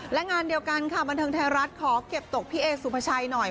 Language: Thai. และงานเดียวกันค่ะบันเทิงไทยรัฐขอเก็บตกพี่เอสุภาชัยหน่อย